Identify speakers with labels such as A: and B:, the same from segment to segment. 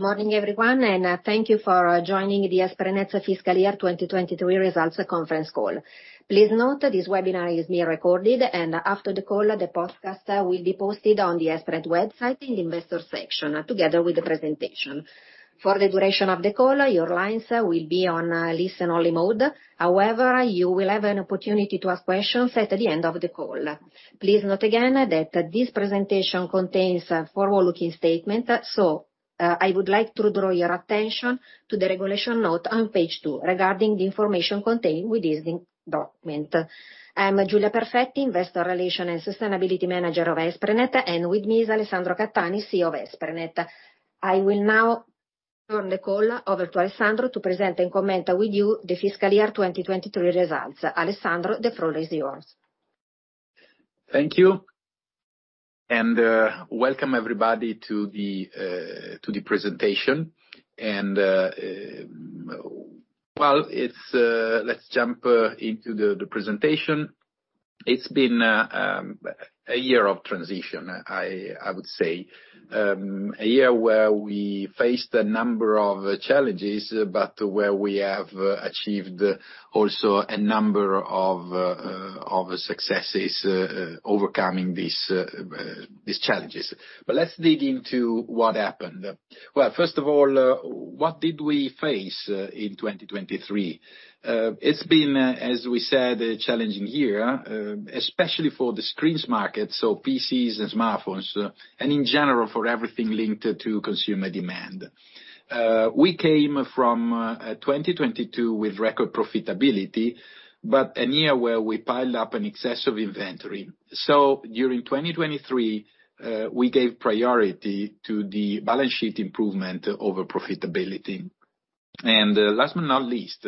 A: Good morning, everyone, and thank you for joining the Esprinet Fiscal Year 2023 results conference call. Please note that this webinar is being recorded, and after the call, the podcast will be posted on the Esprinet website in the investor section, together with the presentation. For the duration of the call, your lines will be on listen only mode. However, you will have an opportunity to ask questions at the end of the call. Please note again that this presentation contains a forward-looking statement, so I would like to draw your attention to the regulation note on page two regarding the information contained with this document. I'm Giulia Perfetti, Investor Relations and Sustainability Manager of Esprinet, and with me is Alessandro Cattani, CEO of Esprinet. I will now turn the call over to Alessandro to present and comment with you the fiscal year 2023 results. Alessandro, the floor is yours.
B: Thank you, and welcome everybody to the presentation, and well, it's. Let's jump into the presentation. It's been a year of transition, I would say. A year where we faced a number of challenges, but where we have achieved also a number of successes, overcoming these challenges. But let's dig into what happened. Well, first of all, what did we face in 2023? It's been, as we said, a challenging year, especially for the screens market, so PCs and smartphones, and in general, for everything linked to consumer demand. We came from 2022 with record profitability, but a year where we piled up an excessive inventory. So during 2023, we gave priority to the balance sheet improvement over profitability. And last but not least,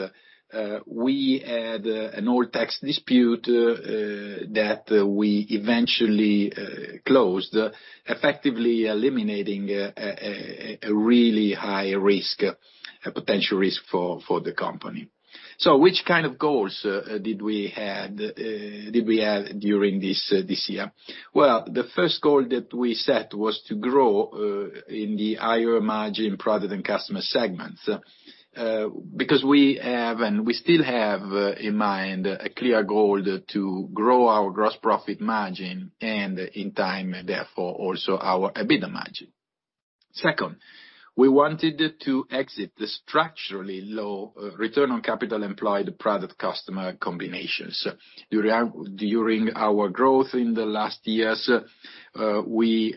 B: we had an old tax dispute that we eventually closed, effectively eliminating a really high risk, a potential risk for the company. So which kind of goals did we had, did we have during this year? Well, the first goal that we set was to grow in the higher margin product and customer segments because we have, and we still have, in mind a clear goal to grow our gross profit margin, and in time, therefore, also our EBITDA margin. Second, we wanted to exit the structurally low return on capital employed product customer combinations. During our growth in the last years, we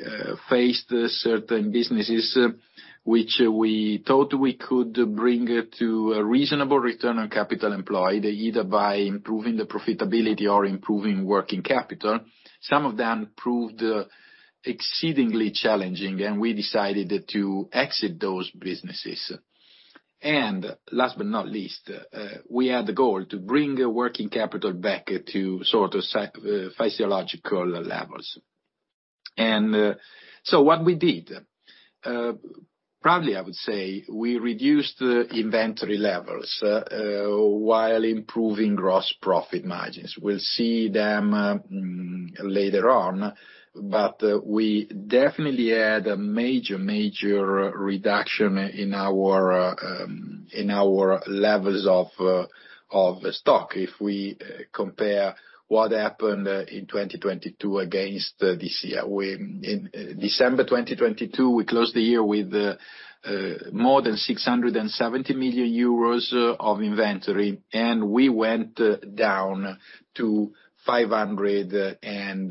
B: faced certain businesses, which we thought we could bring to a reasonable return on capital employed, either by improving the profitability or improving working capital. Some of them proved exceedingly challenging, and we decided to exit those businesses. And last but not least, we had the goal to bring the working capital back to sort of physiological levels. And so what we did, proudly, I would say, we reduced the inventory levels while improving gross profit margins. We'll see them later on, but we definitely had a major, major reduction in our levels of stock if we compare what happened in 2022 against this year. In December 2022, we closed the year with more than 670 million euros of inventory, and we went down to 514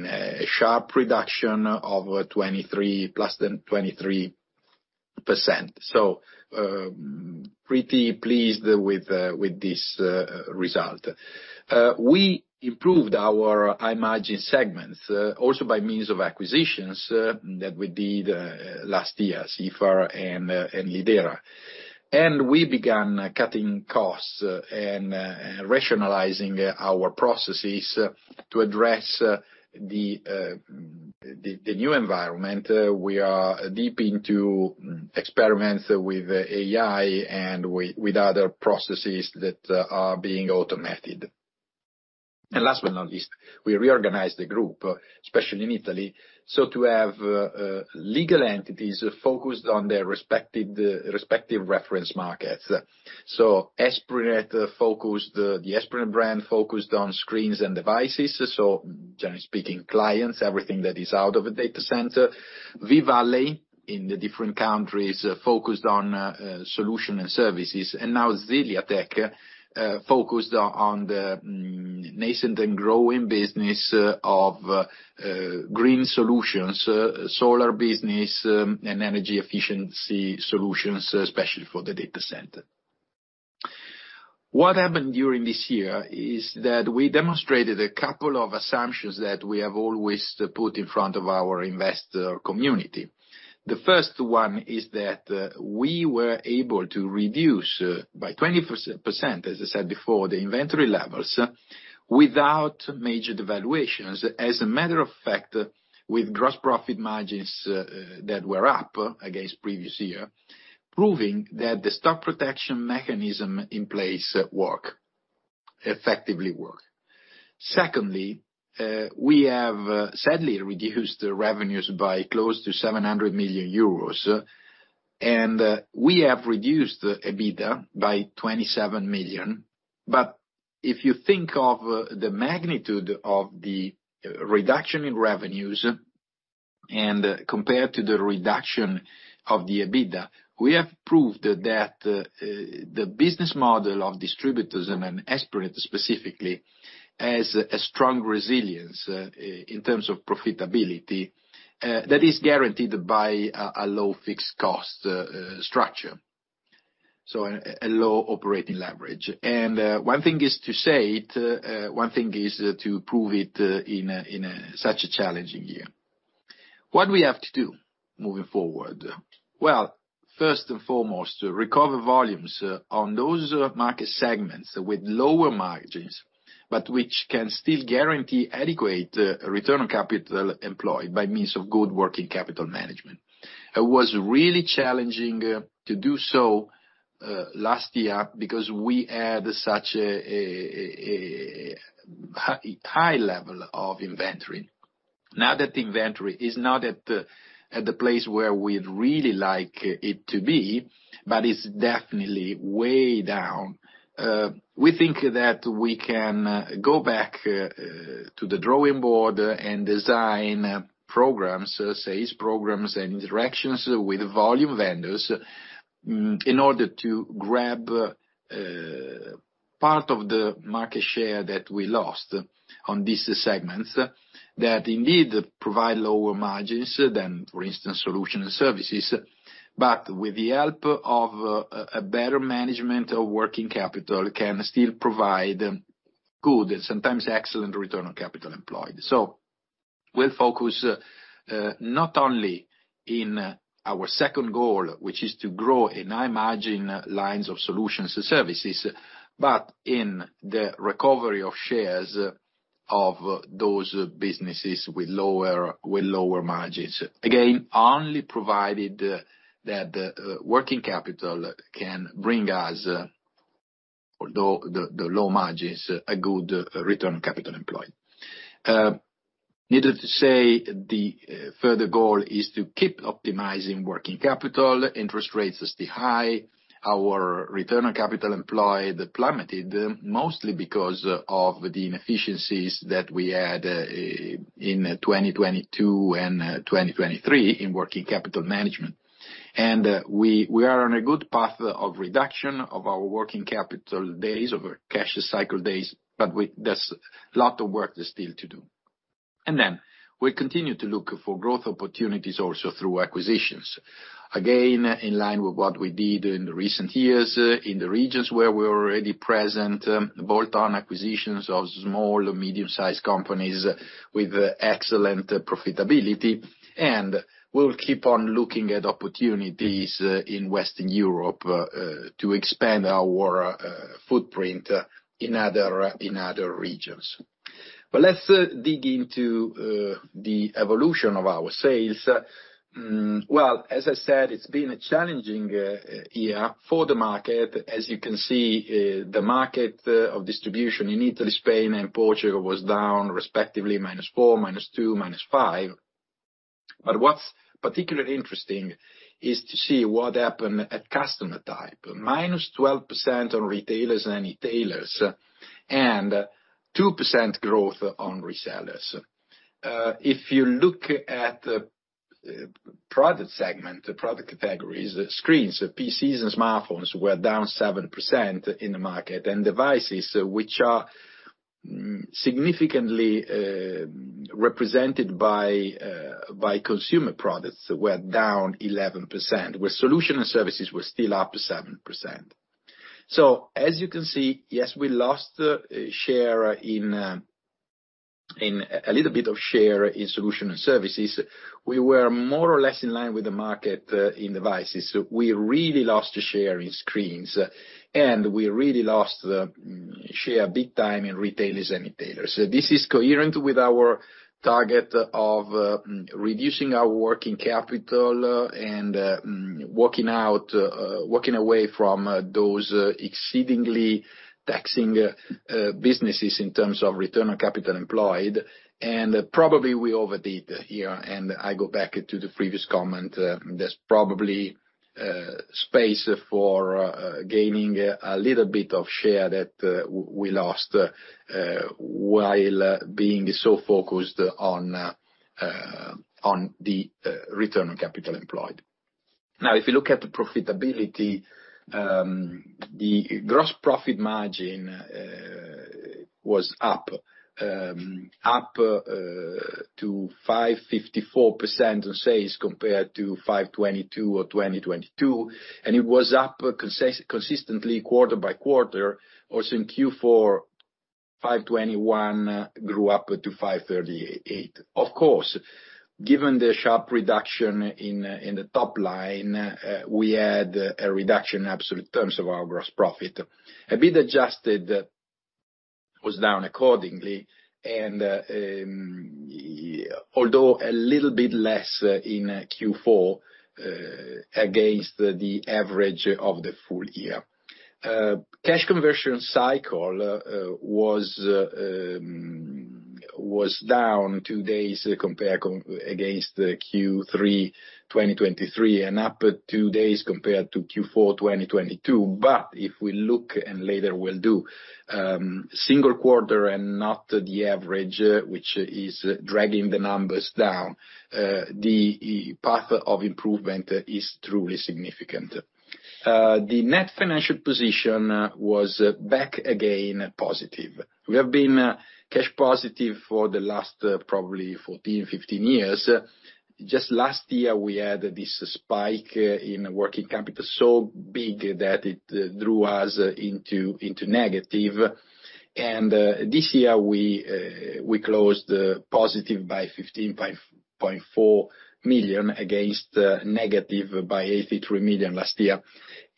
B: million. A sharp reduction of more than 23%. So, pretty pleased with this result. We improved our high-margin segments also by means of acquisitions that we did last year, Sifar and Lidera. And we began cutting costs and rationalizing our processes to address the new environment. We are deep into experiments with AI and with other processes that are being automated. And last but not least, we reorganized the group, especially in Italy, so to have legal entities focused on their respective reference markets. So Esprinet focused, the Esprinet brand focused on screens and devices, so generally speaking, clients, everything that is out of a data center. V-Valley, in the different countries, focused on solution and services, and now Zeliatech focused on the nascent and growing business of green solutions, solar business, and energy efficiency solutions, especially for the data center. What happened during this year is that we demonstrated a couple of assumptions that we have always put in front of our investor community. The first one is that we were able to reduce by 20%, as I said before, the inventory levels without major devaluations. As a matter of fact, with gross profit margins that were up against previous year, proving that the stock protection mechanism in place worked effectively. Secondly, we have sadly reduced the revenues by close to 700 million euros, and we have reduced the EBITDA by 27 million. But if you think of the magnitude of the reduction in revenues and compared to the reduction of the EBITDA, we have proved that the business model of distributors, and then Esprinet specifically, has a strong resilience in terms of profitability that is guaranteed by a low fixed cost structure, so a low operating leverage. And one thing is to say it, one thing is to prove it in such a challenging year. What we have to do moving forward? Well, first and foremost, recover volumes on those market segments with lower margins, but which can still guarantee adequate return on capital employed by means of good working capital management. It was really challenging to do so last year because we had such a high level of inventory. Now, that inventory is not at the place where we'd really like it to be, but it's definitely way down. We think that we can go back to the drawing board and design programs, sales programs, and interactions with volume vendors in order to grab part of the market share that we lost on these segments, that indeed provide lower margins than, for instance, solutions and services. But with the help of a better management of working capital, can still provide good and sometimes excellent return on capital employed. So we'll focus, not only in our second goal, which is to grow in high-margin lines of solutions and services, but in the recovery of shares of those businesses with lower margins. Again, only provided that the working capital can bring us, although the low margins, a good return on capital employed. Needless to say, the further goal is to keep optimizing working capital. Interest rates stay high. Our return on capital employed plummeted, mostly because of the inefficiencies that we had in 2022 and 2023 in working capital management. We are on a good path of reduction of our working capital days, of our cash cycle days, but there's a lot of work there still to do. We continue to look for growth opportunities also through acquisitions. Again, in line with what we did in the recent years in the regions where we're already present, bolt-on acquisitions of small or medium-sized companies with excellent profitability, and we'll keep on looking at opportunities in Western Europe to expand our footprint in other regions. But let's dig into the evolution of our sales. Well, as I said, it's been a challenging year for the market. As you can see, the market of distribution in Italy, Spain, and Portugal was down, respectively, -4%, -2%, -5%. But what's particularly interesting is to see what happened at customer type. -12% on retailers and e-tailers, and 2% growth on resellers. If you look at product segment, the product categories, screens, PCs and smartphones were down 7% in the market, and devices which are significantly represented by by consumer products were down 11%, with solution and services were still up 7%. So as you can see, yes, we lost share in in a little bit of share in solution and services. We were more or less in line with the market in devices. We really lost share in screens, and we really lost the share big time in retailers and e-tailers. This is coherent with our target of reducing our working capital and working away from those exceedingly taxing businesses in terms of Return on Capital Employed, and probably we overdid here. I go back to the previous comment; there's probably space for gaining a little bit of share that we lost while being so focused on the Return on Capital Employed. Now, if you look at the profitability, the gross profit margin was up to 5.54% in sales compared to 5.22% in 2022, and it was up consistently quarter by quarter, also in Q4, 5.21% grew up to 5.38%. Of course, given the sharp reduction in the top line, we had a reduction in absolute terms of our gross profit. EBITDA adjusted was down accordingly, and although a little bit less in Q4 against the average of the full year. Cash conversion cycle was down two days compared against the Q3 2023, and up two days compared to Q4 2022. But if we look, and later we'll do single quarter and not the average, which is dragging the numbers down, the path of improvement is truly significant. The net financial position was back again positive. We have been cash positive for the last probably 14, 15 years. Just last year, we had this spike in working capital so big that it drew us into negative. This year we closed positive by 15.4 million, against negative by 83 million last year.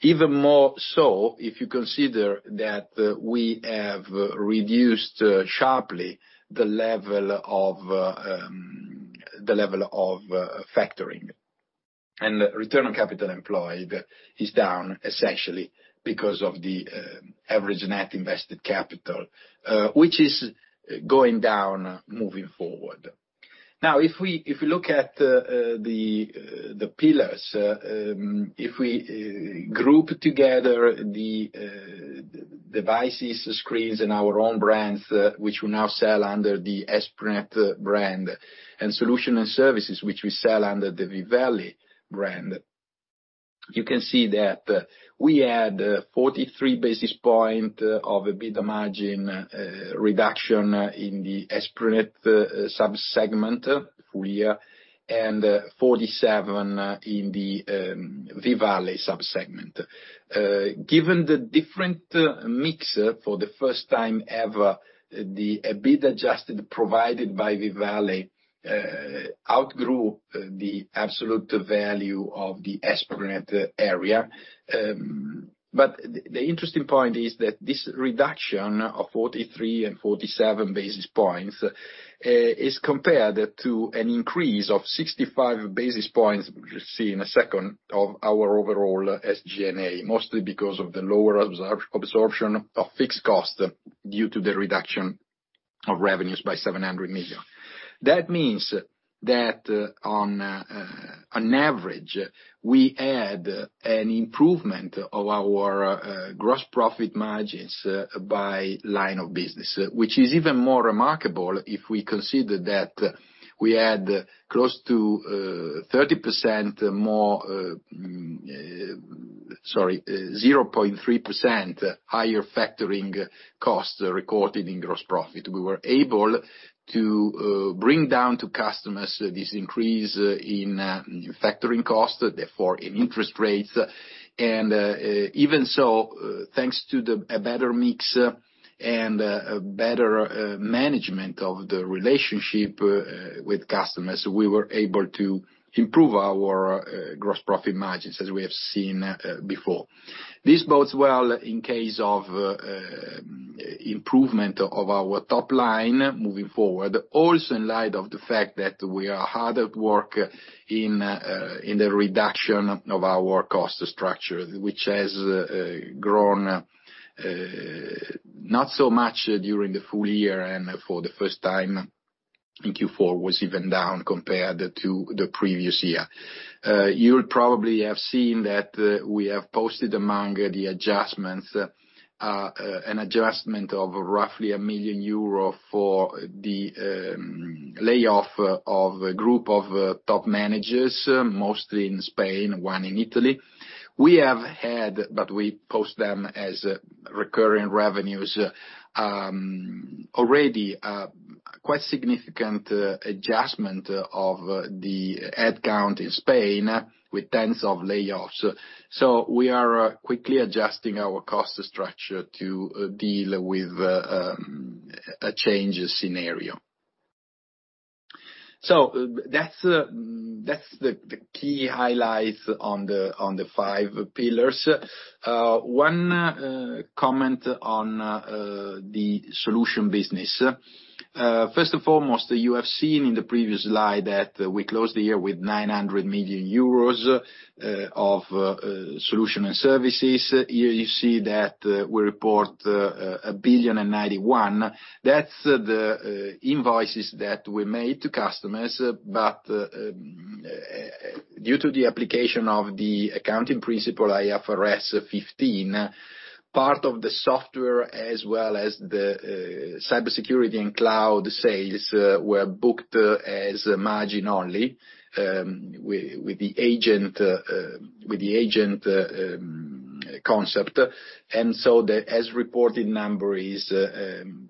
B: Even more so if you consider that we have reduced sharply the level of factoring. Return on capital employed is down, essentially, because of the average net invested capital, which is going down moving forward. Now, if we look at the pillars, if we group together the devices, screens, and our own brands, which we now sell under the Esprinet brand, and solution and services, which we sell under the V-Valley brand, you can see that we had 43 basis point of EBITDA margin reduction in the Esprinet sub-segment full year, and 47 in the V-Valley sub-segment. Given the different mix for the first time ever, the EBITDA adjusted provided by V-Valley outgrew the absolute value of the Esprinet area. The interesting point is that this reduction of 43 and 47 basis points is compared to an increase of 65 basis points, which we'll see in a second, of our overall SG&A, mostly because of the lower absorption of fixed cost due to the reduction of revenues by 700 million. That means that on average, we had an improvement of our gross profit margins by line of business, which is even more remarkable if we consider that we had close to 30% more. Sorry, 0.3% higher factoring costs recorded in gross profit. We were able to bring down to customers this increase in factoring costs, therefore, in interest rates. Even so, thanks to a better mix and a better management of the relationship with customers, we were able to improve our gross profit margins, as we have seen before. This bodes well in case of improvement of our top line moving forward. Also, in light of the fact that we are hard at work in the reduction of our cost structure, which has grown not so much during the full year, and for the first time, in Q4 was even down compared to the previous year. You'll probably have seen that we have posted among the adjustments an adjustment of roughly 1 million euro for the layoff of a group of top managers, mostly in Spain, one in Italy. We have had, but we post them as recurring revenues, already, a quite significant adjustment of the head count in Spain, with tens of layoffs. So we are quickly adjusting our cost structure to deal with a change scenario. So that's the key highlights on the five pillars. One comment on the solution business. First and foremost, you have seen in the previous slide that we closed the year with 900 million euros of solution and services. Here, you see that we report 1.091 billion. That's the invoices that we made to customers, but due to the application of the accounting principle IFRS 15, part of the software, as well as the cybersecurity and cloud sales, were booked as margin only, with the agent concept. And so the as-reported number is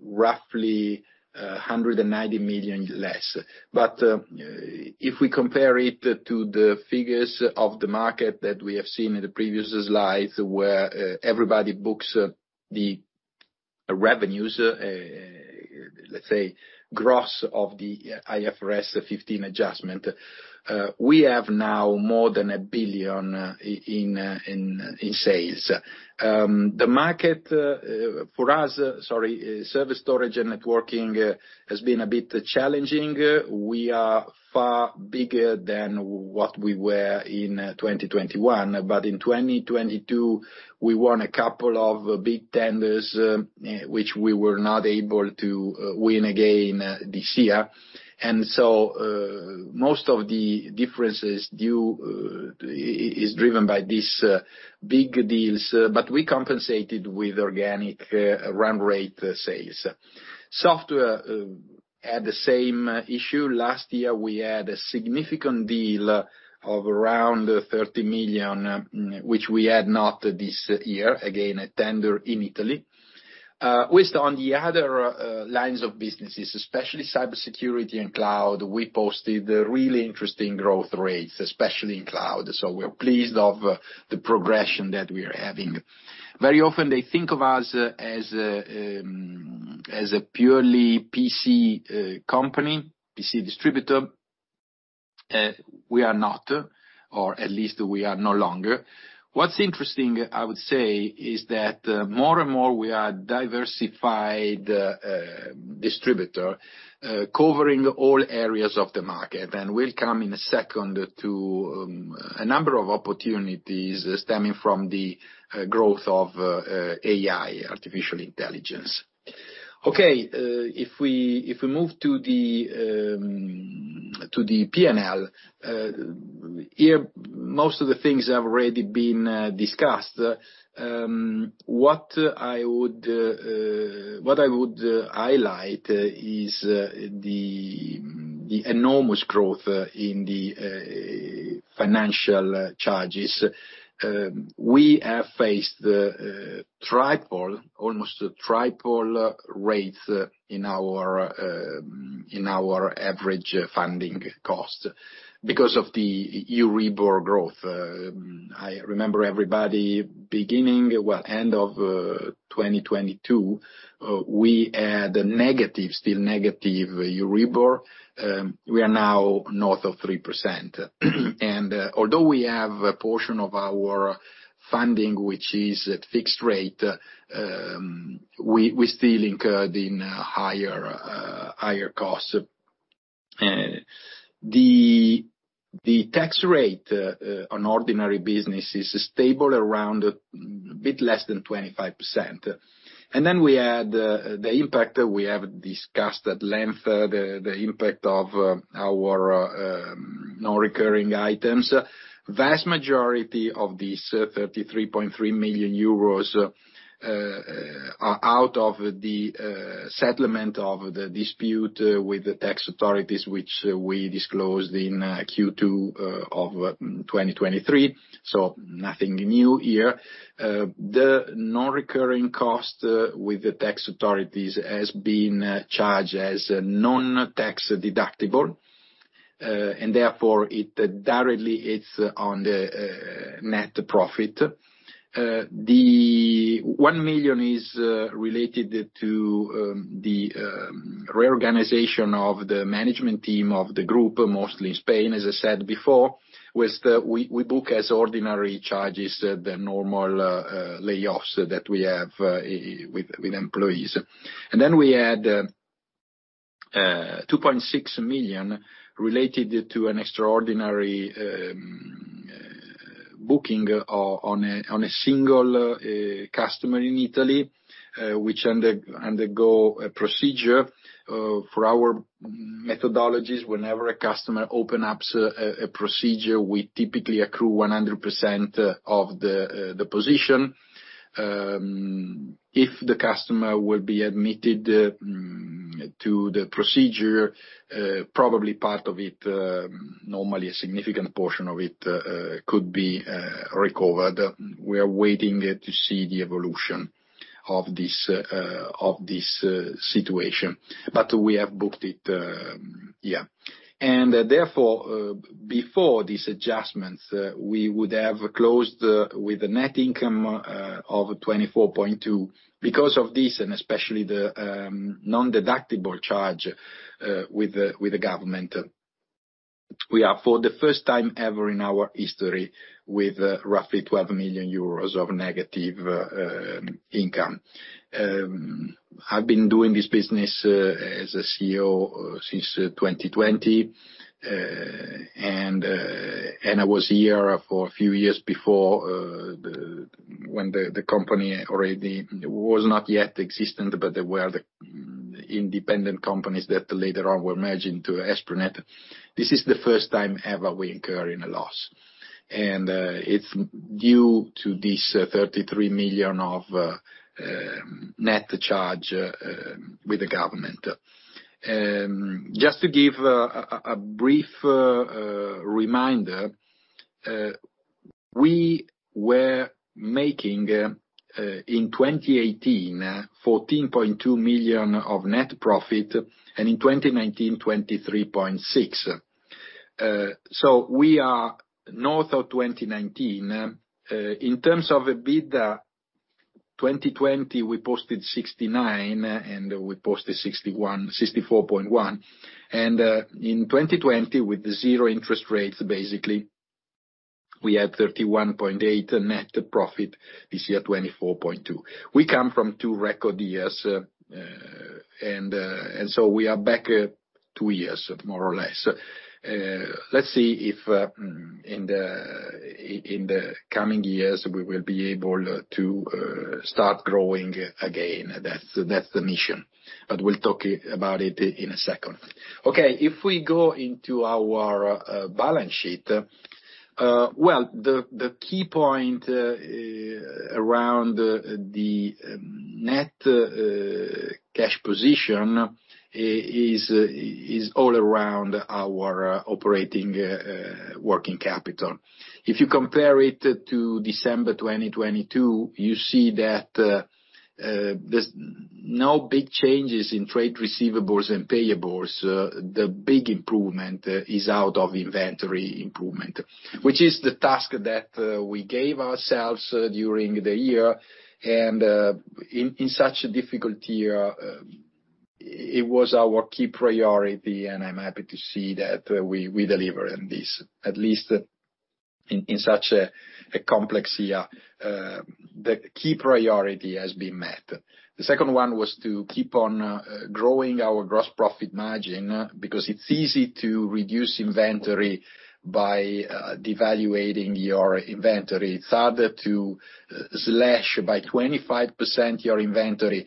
B: roughly 190 million less. But if we compare it to the figures of the market that we have seen in the previous slide, where everybody books the revenues. Let's say, gross of the IFRS 15 adjustment, we have now more than 1 billion in sales. The market for us, sorry, service, storage, and networking has been a bit challenging. We are far bigger than what we were in 2021, but in 2022, we won a couple of big tenders, which we were not able to win again this year. And so, most of the differences due is driven by these big deals, but we compensated with organic run rate sales. Software had the same issue. Last year, we had a significant deal of around 30 million, which we had not this year, again, a tender in Italy. With on the other lines of businesses, especially cybersecurity and cloud, we posted really interesting growth rates, especially in cloud, so we're pleased of the progression that we are having. Very often, they think of us as a as a purely PC company, PC distributor. We are not, or at least we are no longer. What's interesting, I would say, is that more and more we are diversified distributor covering all areas of the market, and we'll come in a second to a number of opportunities stemming from the growth of AI, Artificial Intelligence. Okay, if we move to the P&L here, most of the things have already been discussed. What I would highlight is the enormous growth in the financial charges. We have faced triple, almost triple rates in our average funding cost because of the Euribor growth. I remember everybody, beginning, well, end of 2022, we had a negative, still negative Euribor. We are now north of 3%. Although we have a portion of our funding, which is at fixed rate, we still incurred in higher costs. The tax rate on ordinary business is stable, around a bit less than 25%. Then we add the impact that we have discussed at length, the impact of our non-recurring items. Vast majority of these 33.3 million euros are out of the settlement of the dispute with the tax authorities, which we disclosed in Q2 of 2023, so nothing new here. The non-recurring cost with the tax authorities has been charged as a non-tax deductible, and therefore, it directly hits on the net profit. The 1 million is related to the reorganization of the management team of the group, mostly in Spain, as I said before, we book as ordinary charges, the normal layoffs that we have with employees. And then we add 2.6 million related to an extraordinary booking on a single customer in Italy, which undergo a procedure. For our methodologies, whenever a customer opens up a procedure, we typically accrue 100% of the position. If the customer will be admitted to the procedure, probably part of it, normally a significant portion of it, could be recovered. We are waiting to see the evolution of this situation, but we have booked it, yeah. Therefore, before these adjustments, we would have closed with a net income of 24.2 million. Because of this, and especially the non-deductible charge with the government, we are, for the first time ever in our history, with roughly 12 million euros of negative income. I've been doing this business as a CEO since 2020, and I was here for a few years before, when the company already was not yet existent, but there were the independent companies that later on were merged into Esprinet. This is the first time ever we incur in a loss, and it's due to this 33 million of net charge with the government. Just to give a brief reminder, we were making in 2018, 14.2 million of net profit, and in 2019, 23.6 million. So we are north of 2019. In terms of EBITDA, 2020 we posted 69 million, and we posted 61 million, 64.1 million. And in 2020, with the zero interest rates, basically, we had 31.8 million net profit, this year, 24.2 million. We come from two record years, and so we are back two years, more or less. Let's see if in the coming years, we will be able to start growing again. That's the mission, but we'll talk about it in a second. Okay, if we go into our balance sheet, well, the key point around the net cash position is all around our operating working capital. If you compare it to December 2022, you see that there's no big changes in trade receivables and payables. The big improvement is out of inventory improvement, which is the task that we gave ourselves during the year. And, in such a difficult year, it was our key priority, and I'm happy to see that we deliver in this. At least in such a complex year, the key priority has been met. The second one was to keep on growing our gross profit margin, because it's easy to reduce inventory by devaluing your inventory. It's harder to slash by 25% your inventory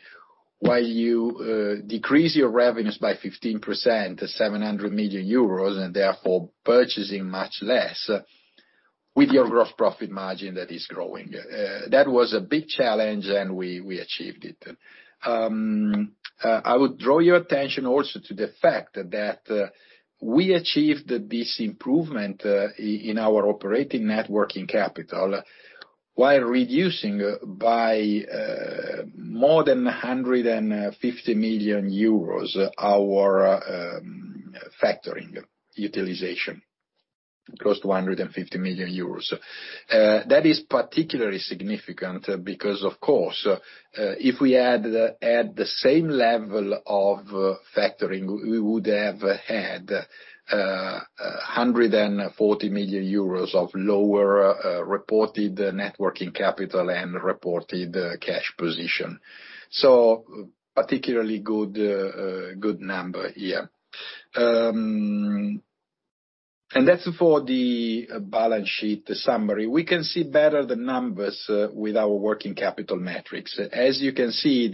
B: while you decrease your revenues by 15%, 700 million euros, and therefore purchasing much less with your gross profit margin that is growing. That was a big challenge, and we achieved it. I would draw your attention also to the fact that we achieved this improvement in our operating net working capital, while reducing by more than 150 million euros our factoring utilization, close to EUR 150 million. That is particularly significant because, of course, if we had had the same level of factoring, we would have had 140 million euros of lower reported net working capital and reported cash position. So particularly good number here. And that's for the balance sheet, the summary. We can see better the numbers with our working capital metrics. As you can see,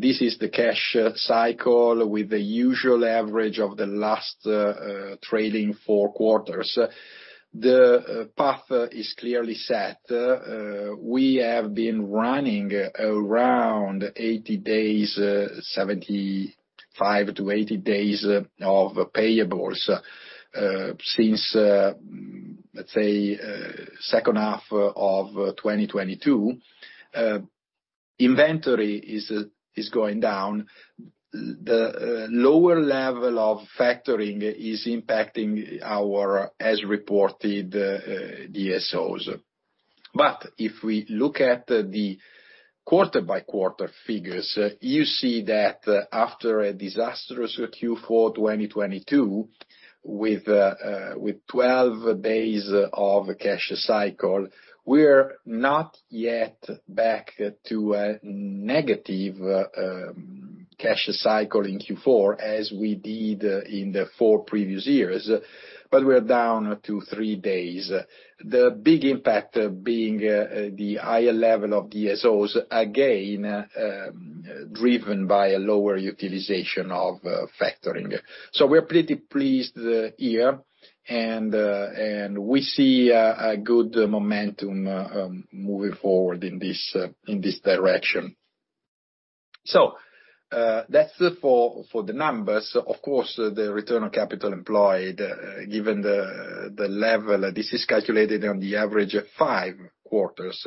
B: this is the cash cycle with the usual average of the last trading four quarters. The path is clearly set. We have been running around 80 days, 75-80 days of payables, since, let's say, second half of 2022. Inventory is going down. The lower level of factoring is impacting our as reported DSOs. But if we look at the quarter-by-quarter figures, you see that after a disastrous Q4 2022, with 12 days of cash cycle, we're not yet back to a negative cash cycle in Q4, as we did in the four previous years, but we're down to 3 days. The big impact being, the higher level of DSOs, again, driven by a lower utilization of, factoring. So we're pretty pleased here, and, and we see a, a good momentum, moving forward in this, in this direction. So, that's it for, for the numbers. Of course, the return on capital employed, given the, the level, this is calculated on the average of five quarters,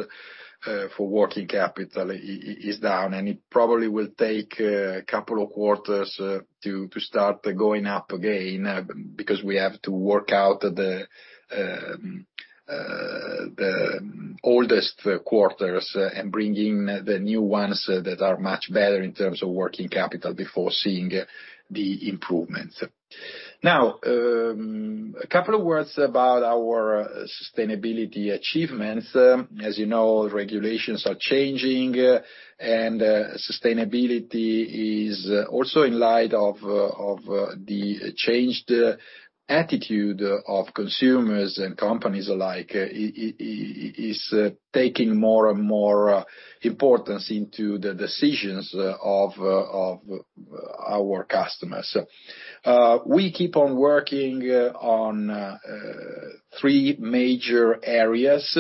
B: for working capital is down, and it probably will take, a couple of quarters, to, to start going up again, because we have to work out the, the oldest quarters and bring in the new ones that are much better in terms of working capital before seeing the improvements. Now, a couple of words about our sustainability achievements. As you know, regulations are changing, and sustainability is also in light of the changed attitude of consumers and companies alike, is taking more and more importance into the decisions of our customers. We keep on working on three major areas,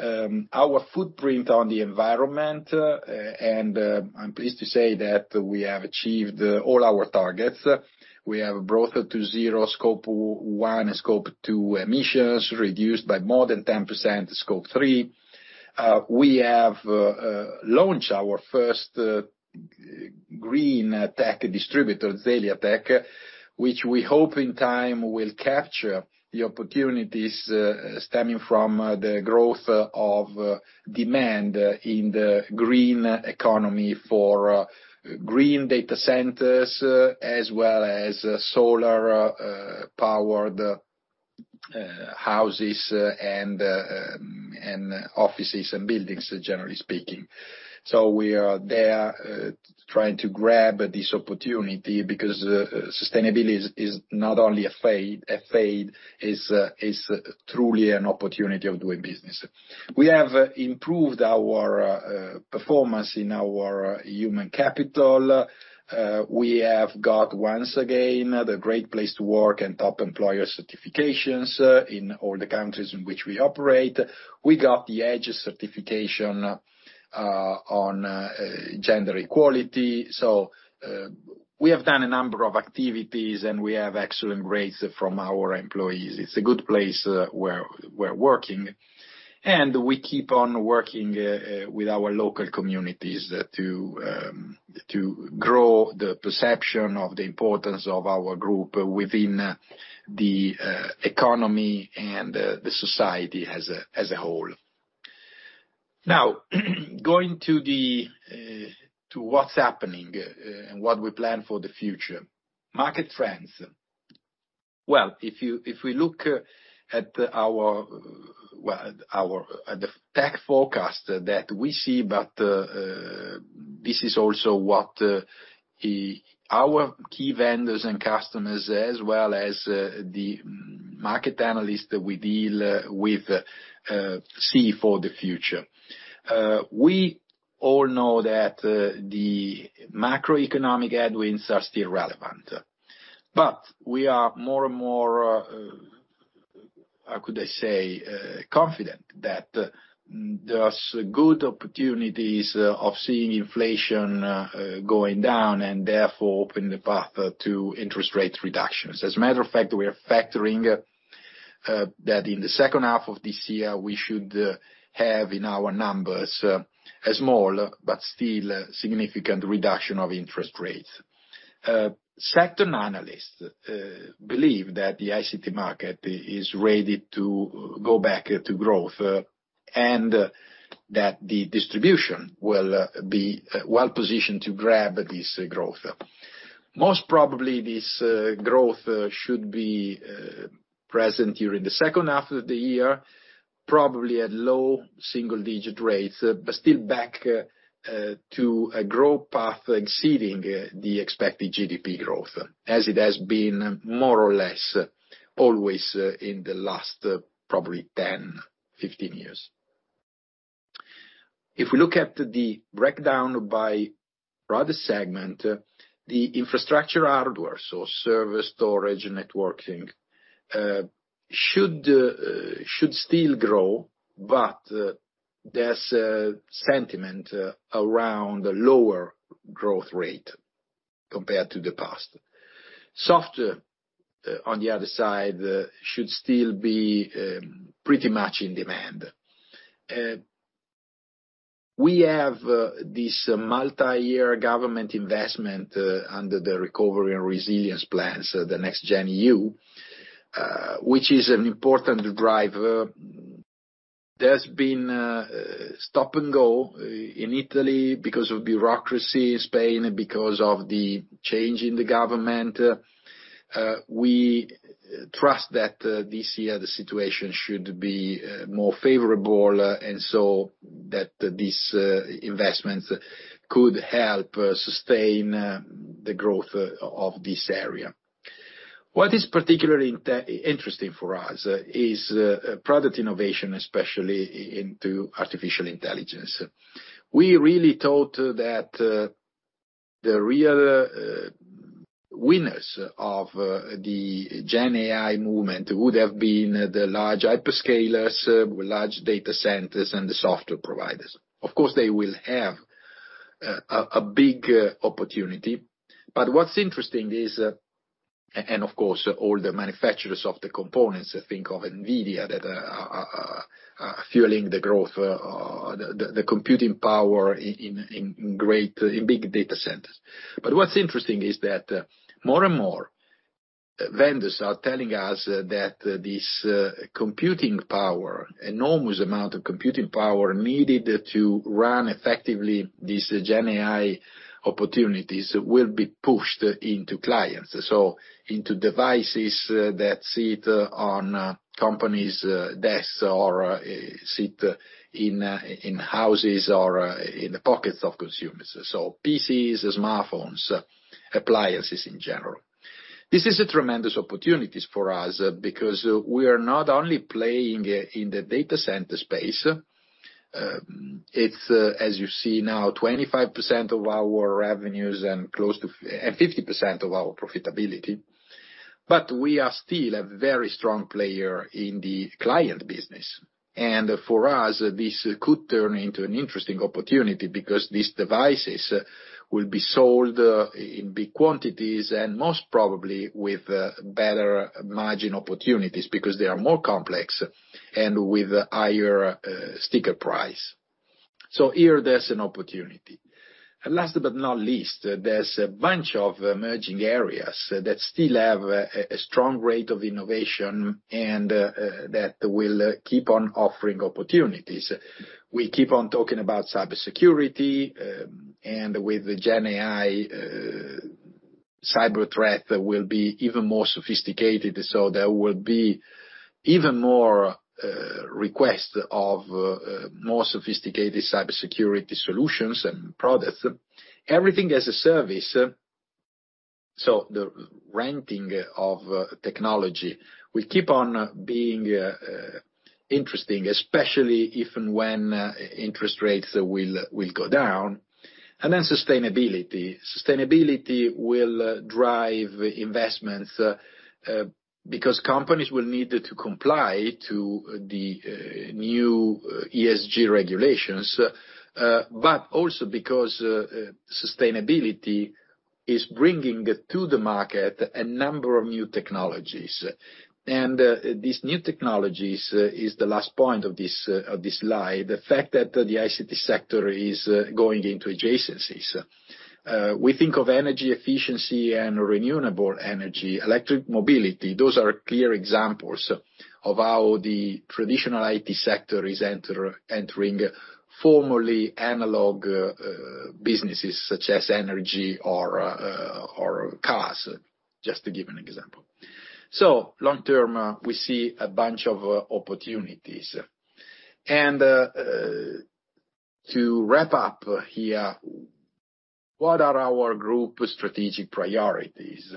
B: our footprint on the environment, and I'm pleased to say that we have achieved all our targets. We have brought to zero scope one and scope two emissions, reduced by more than 10%, scope three. We have launched our first. Green tech distributor, Zeliatech, which we hope in time will capture the opportunities stemming from the growth of demand in the green economy for green data centers, as well as solar powered houses, and offices and buildings, generally speaking. So we are there trying to grab this opportunity because sustainability is not only a fad, is truly an opportunity of doing business. We have improved our performance in our human capital. We have got, once again, the Great Place to Work and Top Employer certifications in all the countries in which we operate. We got the EDGE certification on gender equality. So we have done a number of activities, and we have excellent rates from our employees. It's a good place, we're, we're working, and we keep on working, with our local communities to, to grow the perception of the importance of our group within, the, economy and the, the society as a, as a whole. Now, going to the, to what's happening, and what we plan for the future. Market trends. Well, if we look at our, well, at our, at the tech forecast that we see, but, this is also what, our key vendors and customers, as well as, the market analysts that we deal with, see for the future. We all know that the macroeconomic headwinds are still relevant, but we are more and more, how could I say, confident that there's good opportunities of seeing inflation going down, and therefore opening the path to interest rate reductions. As a matter of fact, we are factoring that in the second half of this year, we should have in our numbers a small but still significant reduction of interest rates. Second analyst believe that the ICT market is ready to go back to growth, and that the distribution will be well positioned to grab this growth. Most probably, this growth should be present during the second half of the year, probably at low single-digit rates, but still back to a growth path exceeding the expected GDP growth, as it has been more or less always in the last probably 10, 15 years. If we look at the breakdown by product segment, the infrastructure, hardware, so service, storage, networking should still grow, but there's a sentiment around lower growth rate compared to the past. Software on the other side should still be pretty much in demand. We have this multi-year government investment under the recovery and resilience plans, the NextGenEU, which is an important driver. There's been stop-and-go in Italy because of bureaucracy, Spain because of the change in the government. We trust that this year, the situation should be more favorable, and so that these investments could help sustain the growth of this area. What is particularly interesting for us is product innovation, especially into artificial intelligence. We really thought that the real winners of the GenAI movement would have been the large hyperscalers, large data centers, and the software providers. Of course, they will have a big opportunity, but what's interesting is... and, of course, all the manufacturers of the components, think of NVIDIA, that are fueling the growth, the computing power in big data centers. But what's interesting is that more and more vendors are telling us that this computing power, enormous amount of computing power, needed to run effectively these GenAI opportunities will be pushed into clients, so into devices that sit on companies' desks or sit in houses or in the pockets of consumers, so PCs, smartphones, appliances in general. This is a tremendous opportunity for us because we are not only playing in the data center space, it's as you see now, 25% of our revenues and close to and 50% of our profitability, but we are still a very strong player in the client business. For us, this could turn into an interesting opportunity because these devices will be sold in big quantities, and most probably with better margin opportunities, because they are more complex and with higher sticker price. So here there's an opportunity. And last but not least, there's a bunch of emerging areas that still have a strong rate of innovation and that will keep on offering opportunities. We keep on talking about cybersecurity, and with the GenAI, cyber threat will be even more sophisticated, so there will be even more request of more sophisticated cybersecurity solutions and products. Everything as a service, so the renting of technology will keep on being interesting, especially if and when interest rates will go down. And then sustainability. Sustainability will drive investments, because companies will need to comply to the new ESG regulations, but also because sustainability is bringing to the market a number of new technologies. And these new technologies is the last point of this of this slide, the fact that the ICT sector is going into adjacencies. We think of energy efficiency and renewable energy, electric mobility, those are clear examples of how the traditional IT sector is entering formerly analog businesses such as energy or cars, just to give an example. So long term, we see a bunch of opportunities. And to wrap up here, what are our group strategic priorities?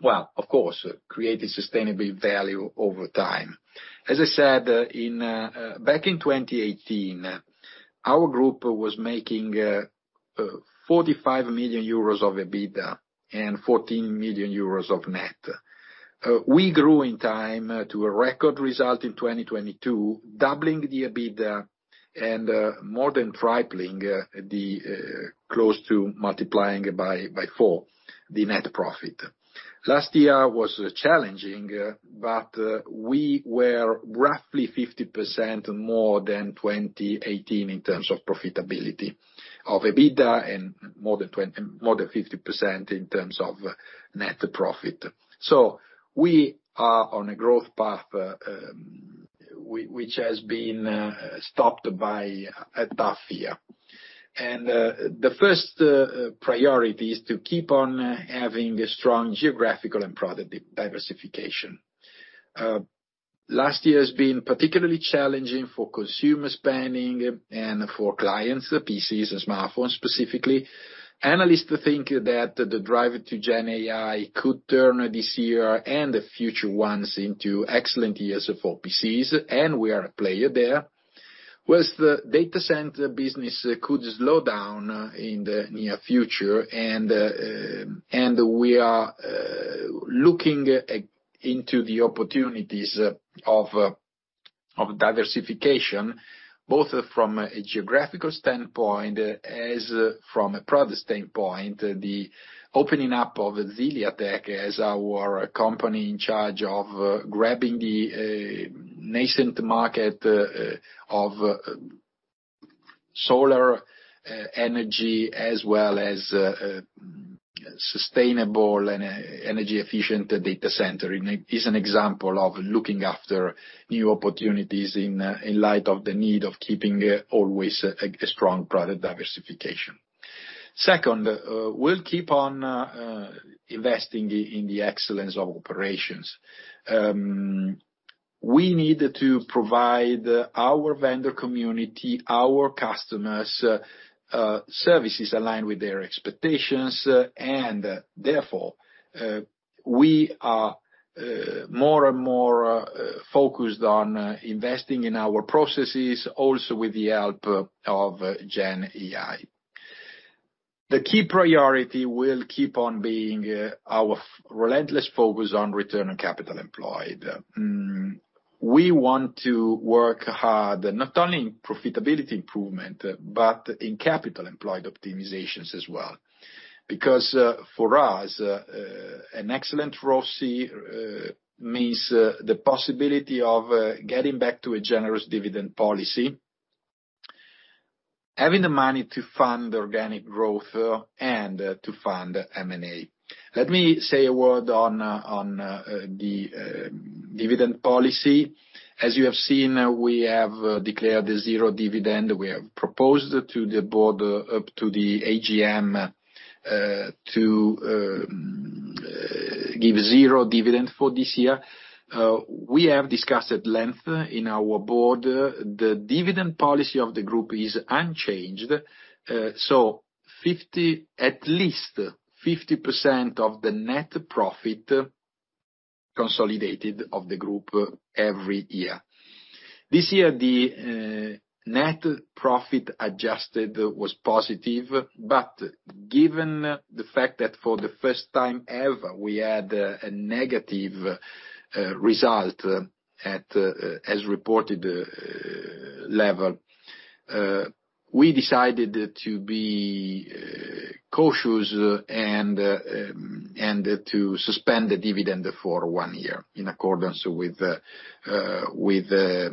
B: Well, of course, create a sustainable value over time. As I said, back in 2018, our group was making 45 million euros of EBITDA and 14 million euros of net. We grew in time to a record result in 2022, doubling the EBITDA and more than tripling the close to multiplying by four the net profit. Last year was challenging, but we were roughly 50% more than 2018 in terms of profitability, of EBITDA, and more than 50% in terms of net profit. So we are on a growth path, which has been stopped by a tough year. The first priority is to keep on having a strong geographical and product diversification. Last year has been particularly challenging for consumer spending and for clients, the PCs and smartphones, specifically. Analysts think that the drive to GenAI could turn this year and the future ones into excellent years for PCs, and we are a player there. While the data center business could slow down in the near future, and we are looking into the opportunities of diversification, both from a geographical standpoint as from a product standpoint, the opening up of Zeliatech as our company in charge of grabbing the nascent market of solar energy, as well as sustainable and energy-efficient data center, is an example of looking after new opportunities in light of the need of keeping always a strong product diversification. Second, we'll keep on investing in the excellence of operations. We need to provide our vendor community, our customers, services aligned with their expectations, and therefore, we are more and more focused on investing in our processes, also with the help of GenAI. The key priority will keep on being our relentless focus on return on capital employed. We want to work hard, not only in profitability improvement, but in capital employed optimizations as well. Because for us, an excellent ROCE means the possibility of getting back to a generous dividend policy, having the money to fund organic growth and to fund M&A. Let me say a word on the dividend policy. As you have seen, we have declared a zero dividend. We have proposed to the board, up to the AGM, to give zero dividend for this year. We have discussed at length in our board, the dividend policy of the group is unchanged, so at least 50% of the net profit consolidated of the group every year. This year, the net profit adjusted was positive, but given the fact that for the first time ever, we had a negative result at as reported level. We decided to be cautious, and to suspend the dividend for one year, in accordance with the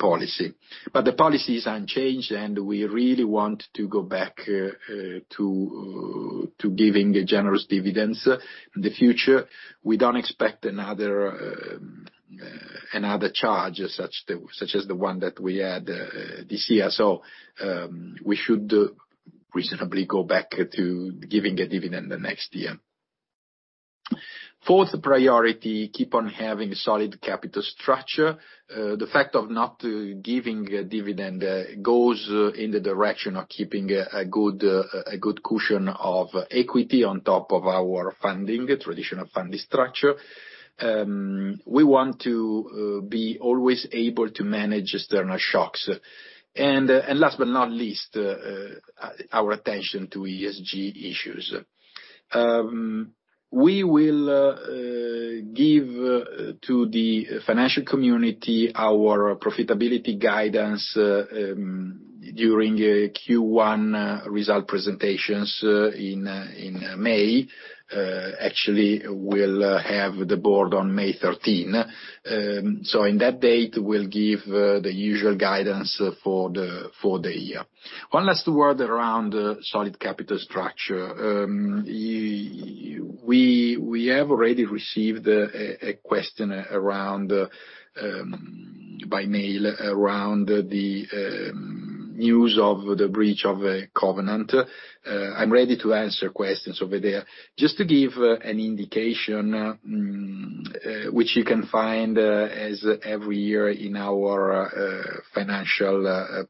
B: policy. But the policy is unchanged, and we really want to go back to giving a generous dividends in the future. We don't expect another charge, such as the one that we had this year. So, we should reasonably go back to giving a dividend the next year. Fourth priority, keep on having a solid capital structure. The fact of not giving a dividend goes in the direction of keeping a good cushion of equity on top of our funding, traditional funding structure. We want to be always able to manage external shocks. Last but not least, our attention to ESG issues. We will give to the financial community our profitability guidance during Q1 result presentations in May. Actually, we'll have the board on May 13. So in that date, we'll give the usual guidance for the year. One last word around solid capital structure. We have already received a question around, by mail, around the news of the breach of a covenant. I'm ready to answer questions over there. Just to give an indication, which you can find, as every year in our financial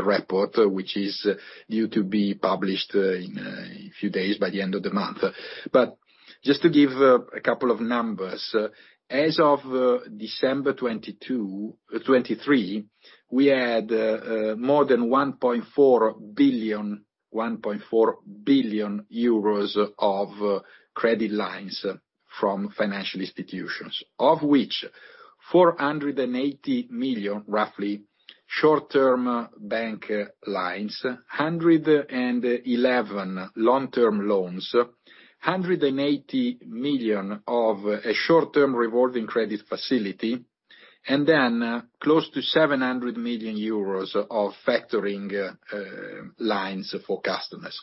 B: report, which is due to be published in a few days by the end of the month. But just to give a couple of numbers, as of December 2022, we had more than 1.4 billion, 1.4 billion euros of credit lines from financial institutions, of which 480 million, roughly, short-term bank lines, 111 long-term loans, 180 million of a short-term revolving credit facility, and then close to 700 million euros of factoring lines for customers.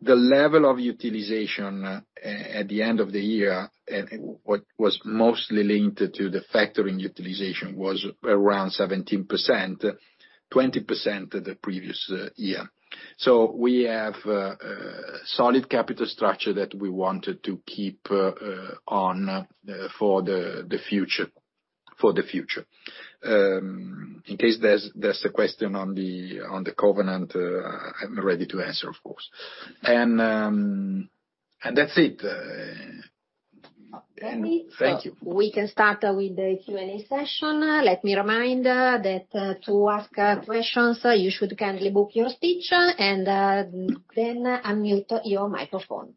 B: The level of utilization at the end of the year, and what was mostly linked to the factoring utilization, was around 17%, 20% the previous year. So we have a solid capital structure that we wanted to keep on for the future, for the future. In case there's a question on the covenant, I'm ready to answer, of course. And that's it, and thank you.
A: We can start with the Q&A session. Let me remind that to ask questions, you should kindly book your speech and then unmute your microphone.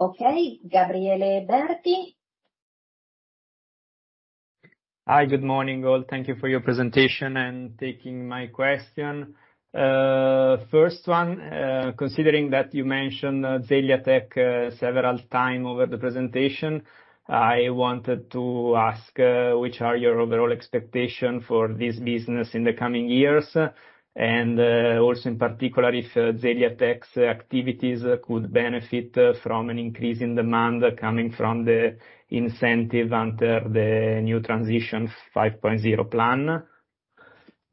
A: Okay, Gabriele Berti?
C: Hi, good morning, all. Thank you for your presentation and taking my question. First one, considering that you mentioned Zeliatech several time over the presentation, I wanted to ask which are your overall expectation for this business in the coming years? And also, in particular, if Zeliatech's activities could benefit from an increase in demand coming from the incentive under the new Transition 5.0 plan.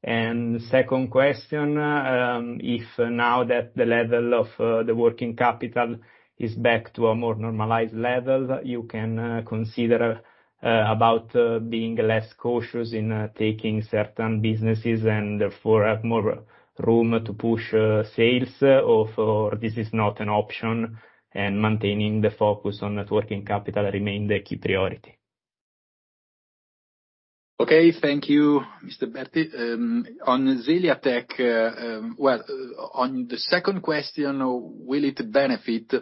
C: And second question, if now that the level of the working capital is back to a more normalized level, you can consider about being less cautious in taking certain businesses and therefore have more room to push sales, or for this is not an option, and maintaining the focus on net working capital remain the key priority?
B: Okay. Thank you, Mr. Berti. On Zeliatech, well, on the second question, will it benefit?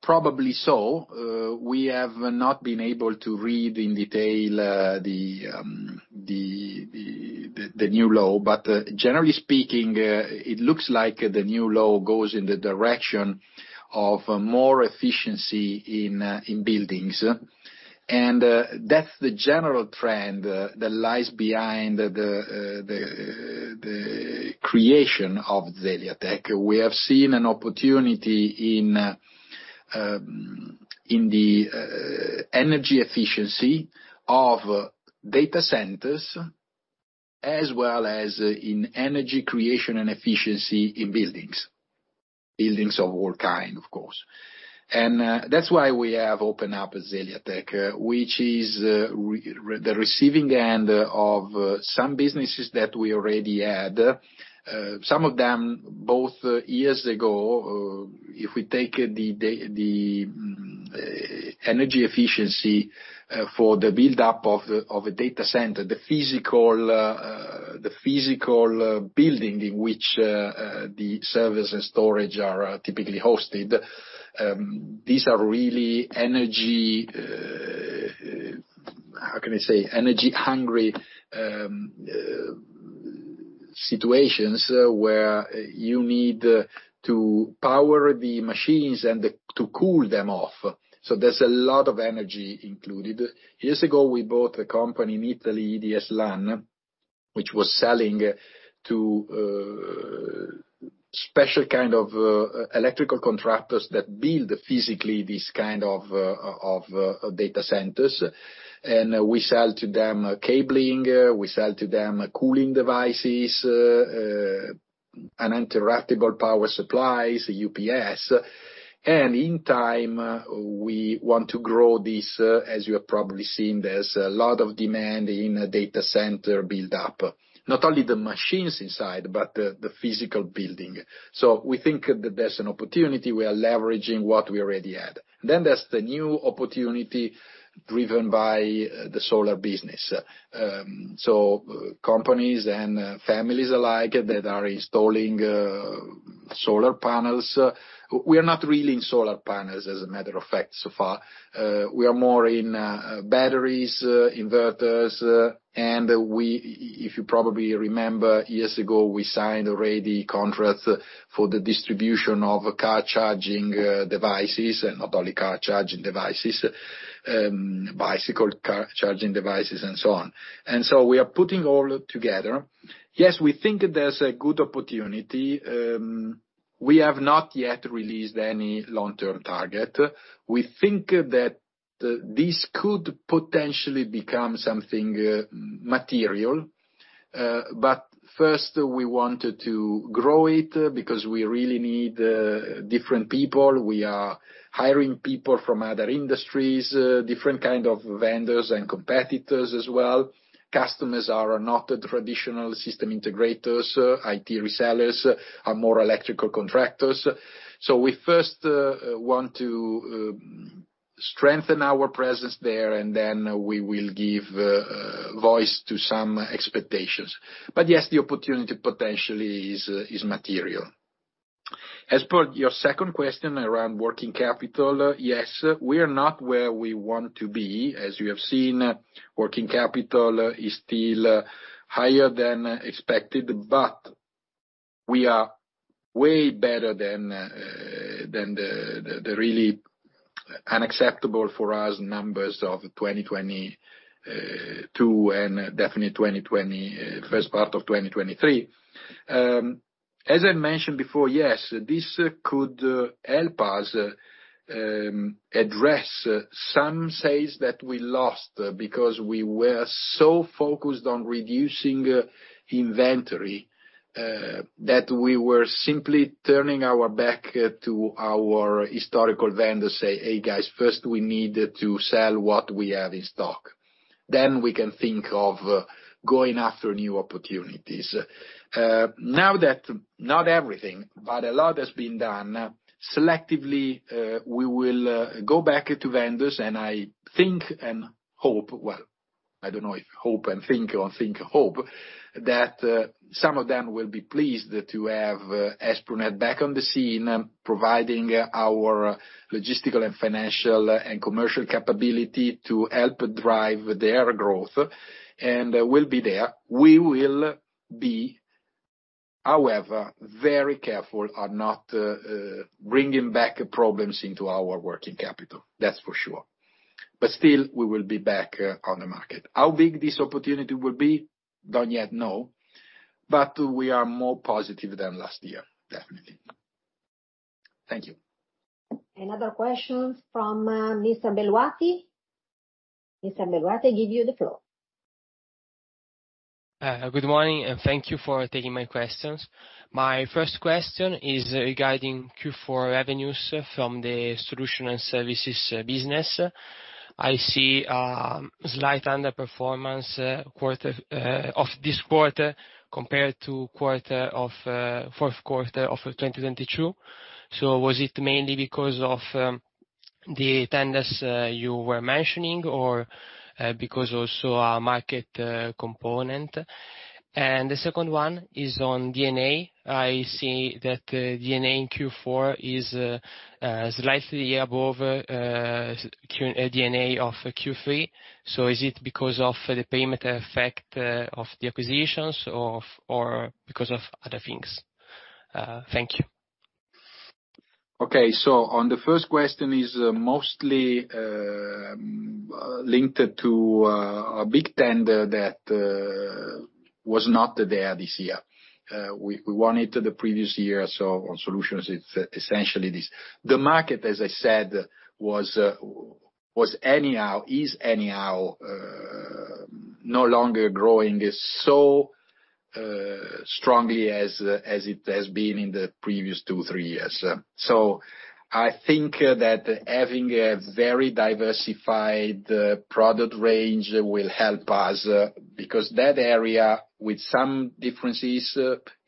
B: Probably so. We have not been able to read in detail the new law, but generally speaking, it looks like the new law goes in the direction of more efficiency in buildings. And that's the general trend that lies behind the creation of Zeliatech. We have seen an opportunity in the energy efficiency of data centers, as well as in energy creation and efficiency in buildings. Buildings of all kind, of course. And that's why we have opened up Zeliatech, which is the receiving end of some businesses that we already had. Some of them, both years ago, if we take the da- the. Energy efficiency for the build-up of a data center, the physical building in which the service and storage are typically hosted. These are really energy. How can I say? Energy-hungry situations where you need to power the machines and to cool them off. So there's a lot of energy included. Years ago, we bought a company in Italy, EDSLan, which was selling to special kind of electrical contractors that build physically this kind of data centers. We sell to them cabling, we sell to them cooling devices, and uninterruptible power supplies, UPS. In time, we want to grow this, as you have probably seen, there's a lot of demand in data center build-up. Not only the machines inside, but the physical building. So we think that there's an opportunity, we are leveraging what we already had. Then there's the new opportunity driven by the solar business. So companies and families alike that are installing solar panels. We are not really in solar panels, as a matter of fact, so far. We are more in batteries, inverters, and if you probably remember, years ago, we signed already contract for the distribution of car charging devices, and not only car charging devices, bicycle, car charging devices and so on. And so we are putting all together. Yes, we think there's a good opportunity. We have not yet released any long-term target. We think that this could potentially become something material, but first, we wanted to grow it, because we really need different people. We are hiring people from other industries, different kind of vendors and competitors as well. Customers are not traditional system integrators. IT resellers are more electrical contractors. So we first want to strengthen our presence there, and then we will give voice to some expectations. But, yes, the opportunity potentially is material. As per your second question around working capital, yes, we are not where we want to be. As you have seen, working capital is still higher than expected, but we are way better than the really unacceptable for us numbers of 2022, and definitely first part of 2023. As I mentioned before, yes, this could help us address some sales that we lost, because we were so focused on reducing inventory that we were simply turning our back to our historical vendors, say, "Hey, guys, first we need to sell what we have in stock, then we can think of going after new opportunities." Now that not everything, but a lot has been done, selectively, we will go back to vendors, and I think and hope... Well, I don't know if hope and think, or think, hope, that some of them will be pleased to have Esprinet back on the scene, providing our logistical and financial and commercial capability to help drive their growth, and we'll be there. We will be, however, very careful on not bringing back problems into our working capital, that's for sure. But still, we will be back on the market. How big this opportunity will be? Don't yet know, but we are more positive than last year, definitely. Thank you.
A: Another question from, Mr. Belwati. Mr. Belwati, I give you the floor.
D: Good morning, and thank you for taking my questions. My first question is regarding Q4 revenues from the solution and services business. I see slight underperformance of this quarter compared to the fourth quarter of 2022. So was it mainly because of the tenders you were mentioning, or because also a market component? And the second one is on D&N. I see that D&A in Q4 is slightly above D&A of Q3. So is it because of the payment effect of the acquisitions, or because of other things? Thank you.
B: Okay. So on the first question, is mostly linked to a big tender that was not there this year. We wanted the previous year, so on solutions, it's essentially this. The market, as I said, was anyhow is anyhow no longer growing so strongly as it has been in the previous two, three years. So I think that having a very diversified product range will help us because that area, with some differences,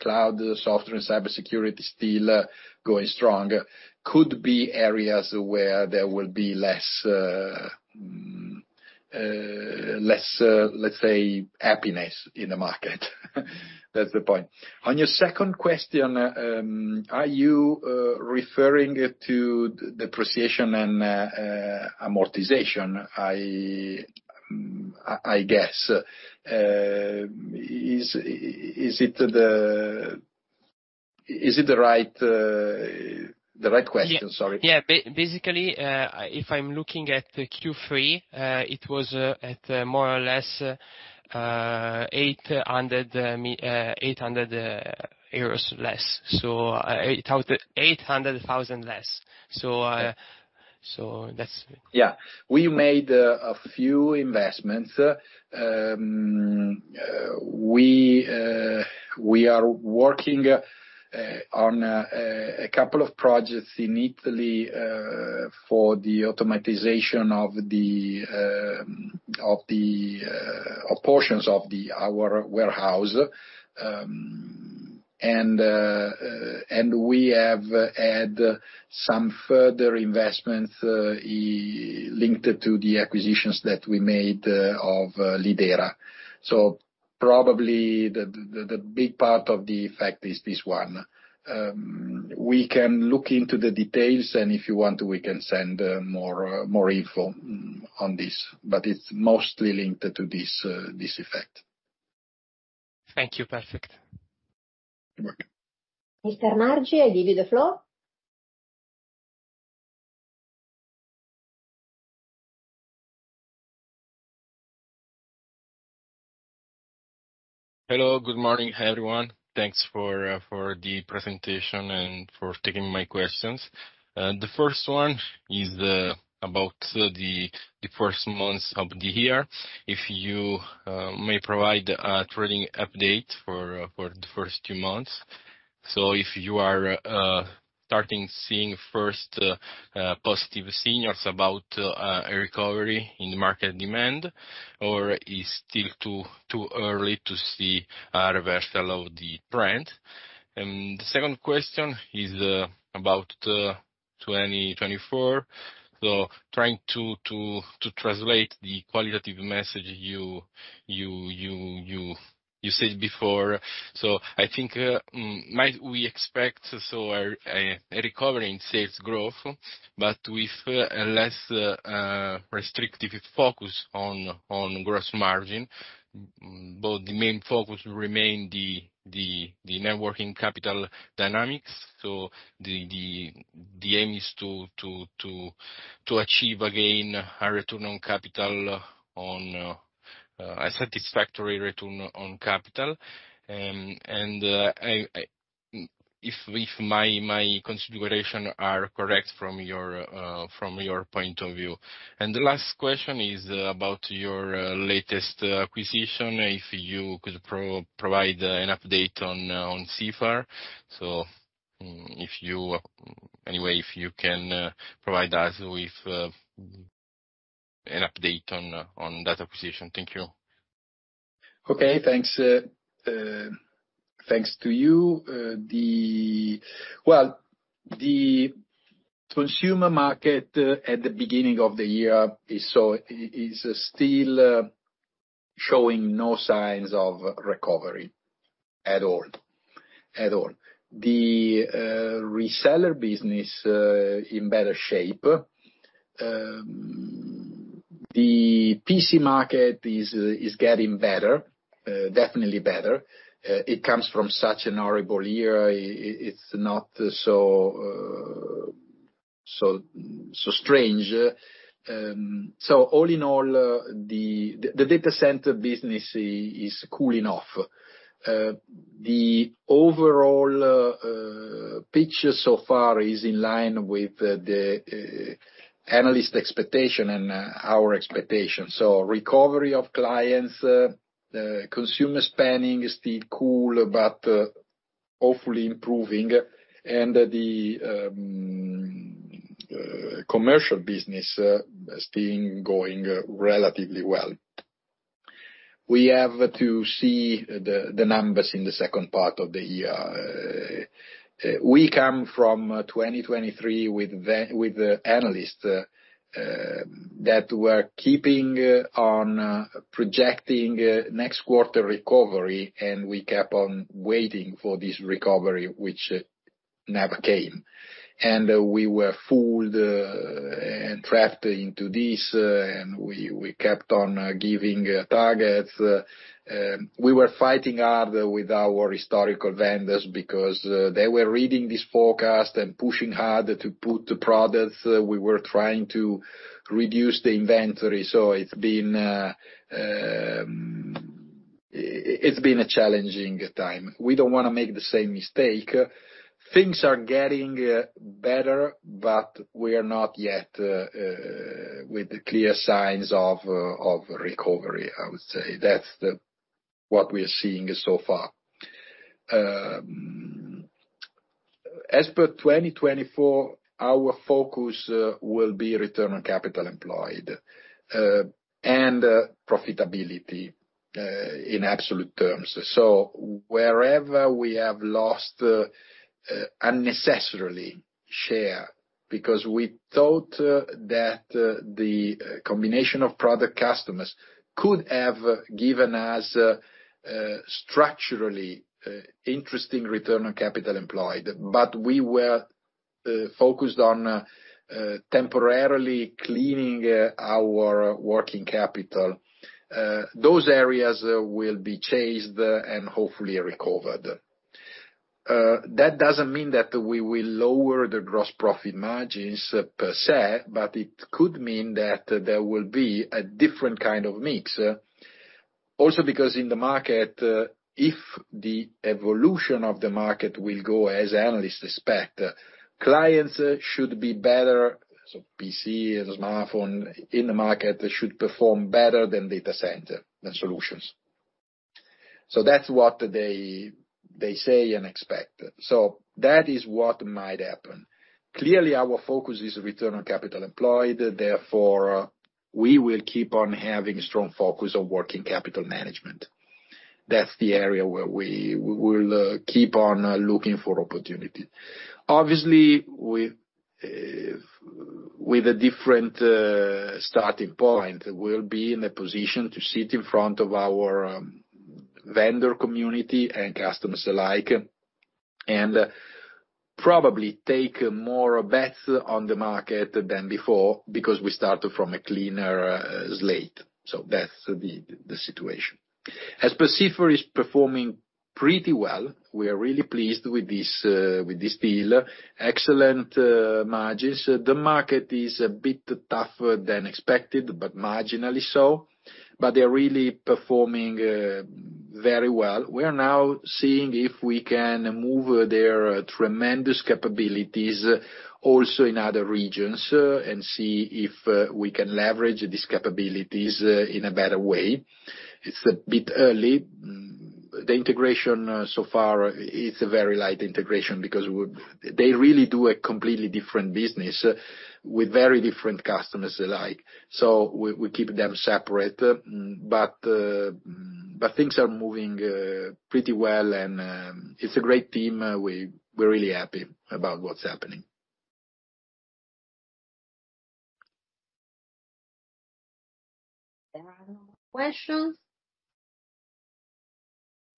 B: cloud, software, and cybersecurity, still going strong, could be areas where there will be less less, let's say, happiness in the market. That's the point. On your second question, are you referring it to depreciation and amortization? I guess, is it the right question? Sorry.
E: Yeah, basically, if I'm looking at the Q3, it was at more or less 800 million less, so that's.
B: Yeah, we made a few investments. We are working on a couple of projects in Italy for the automation of portions of our warehouse. And we have had some further investments linked to the acquisitions that we made of Lidera. So probably the big part of the effect is this one. We can look into the details, and if you want, we can send more info on this, but it's mostly linked to this effect.
E: Thank you. Perfect.
B: You're welcome.
A: Mr. Margi, do you have the floor?
F: Hello, good morning, everyone. Thanks for the presentation and for taking my questions. The first one is about the first months of the year. If you may provide a trading update for the first two months. So if you are starting seeing first a positive signals about a recovery in the market demand, or is still too early to see a reversal of the trend? And the second question is about 2024, so trying to translate the qualitative message you said before. So I think might we expect so a recovery in sales growth, but with a less restrictive focus on gross margin? But the main focus remain the net working capital dynamics, so the aim is to achieve, again, a return on capital on a satisfactory return on capital. And if my consideration are correct from your point of view. And the last question is about your latest acquisition, if you could provide an update on Sifar. So, if you. Anyway, if you can provide us with an update on that acquisition. Thank you.
B: Okay. Thanks to you. Well, the consumer market at the beginning of the year is still showing no signs of recovery at all, at all. The reseller business in better shape. The PC market is getting better, definitely better. It comes from such a horrible year. It's not so strange. So all in all, the data center business is cooling off. The overall picture so far is in line with the analyst expectation and our expectation. So recovery of clients, the consumer spending is still cool, but hopefully improving, and the commercial business still going relatively well. We have to see the numbers in the second part of the year. We come from 2023 with the analysts that were keeping on projecting a next quarter recovery, and we kept on waiting for this recovery, which never came. And we were fooled and trapped into this, and we kept on giving targets. We were fighting hard with our historical vendors because they were reading this forecast and pushing hard to put the products. We were trying to reduce the inventory, so it's been a challenging time. We don't wanna make the same mistake. Things are getting better, but we are not yet with the clear signs of recovery, I would say. That's what we are seeing so far. As per 2024, our focus will be return on capital employed and profitability in absolute terms. So wherever we have lost unnecessarily share, because we thought that the combination of product customers could have given us structurally interesting return on capital employed, but we were focused on temporarily cleaning our working capital. Those areas will be chased and hopefully recovered. That doesn't mean that we will lower the gross profit margins per se, but it could mean that there will be a different kind of mix. Also, because in the market, if the evolution of the market will go as analysts expect, clients should be better, so PC and smartphone in the market should perform better than data center and solutions. So that's what they say and expect. That is what might happen. Clearly, our focus is return on capital employed, therefore, we will keep on having strong focus on working capital management. That's the area where we, we will keep on looking for opportunity. Obviously, with a different starting point, we'll be in a position to sit in front of our vendor community and customers alike, and probably take more bets on the market than before, because we started from a cleaner slate. That's the situation. Sifar is performing pretty well. We are really pleased with this with this deal. Excellent margins. The market is a bit tougher than expected, but marginally so. But they're really performing very well. We are now seeing if we can move their tremendous capabilities also in other regions, and see if, we can leverage these capabilities, in a better way. It's a bit early. The integration so far is a very light integration, because they really do a completely different business with very different customers alike. So we, we keep them separate, but, but things are moving, pretty well, and, it's a great team. We're really happy about what's happening.
A: There are no more questions?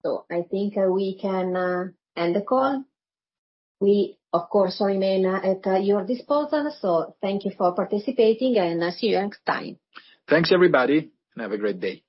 A: So I think we can, end the call. We, of course, remain at your disposal, so thank you for participating, and see you next time.
B: Thanks, everybody, and have a great day.